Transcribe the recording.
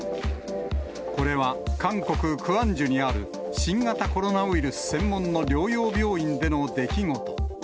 これは韓国・クアンジュにある新型コロナウイルス専門の療養病院での出来事。